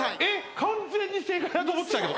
完全に正解だと思ってたけど。